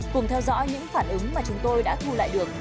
cùng theo dõi những phản ứng mà chúng tôi đã thu lại được